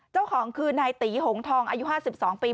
เจ้าของคือนายตีหงทองอายุ๕๒ปี